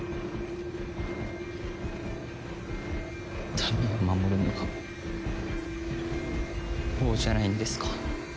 民を守るのが王じゃないんですか？